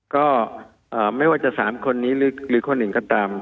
ก็ไม่ว่าจะ๓คนนี้หรือคนอื่นก็ตาม